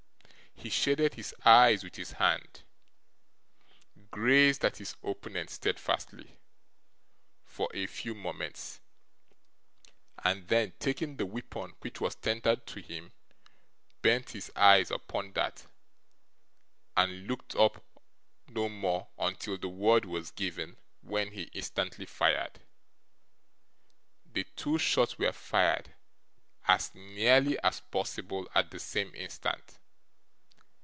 He shaded his eyes with his hand; grazed at his opponent, steadfastly, for a few moments; and, then taking the weapon which was tendered to him, bent his eyes upon that, and looked up no more until the word was given, when he instantly fired. The two shots were fired, as nearly as possible, at the same instant.